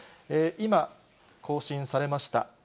今、更新されました。